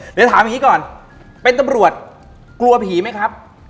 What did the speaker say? เดี๋ยวถามอย่างนี้ก่อนเป็นตำรวจกลัวผีไหมครับ